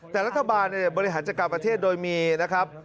แต่รัฐบาลบริหารจัดการประเทศโดยมีนะครับ